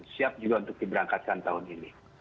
siap juga untuk diberangkatkan tahun ini